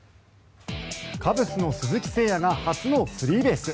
カブスの鈴木誠也が初のスリーベース。